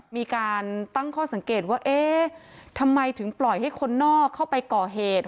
มีการตั้งข้อสังเกตว่าเอ๊ะทำไมถึงปล่อยให้คนนอกเข้าไปก่อเหตุ